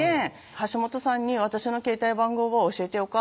橋本さんに私の携帯番号を「教えてよか？」